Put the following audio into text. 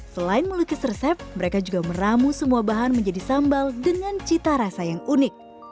selain melukis resep mereka juga meramu semua bahan menjadi sambal dengan cita rasa yang unik